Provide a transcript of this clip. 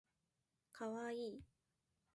かわいい